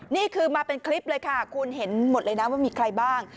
นี่คือมาเป็นคลิปเลยค่ะคุณเห็นหมดเลยนะว่ามีใครบ้าง